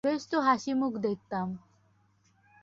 বেশ তো হাসিখুশি দেখতাম।